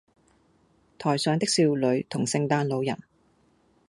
台上的少女同聖誕老人